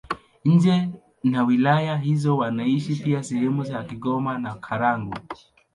Nje na wilaya hizo wanaishi pia sehemu za Kigoma na Karagwe.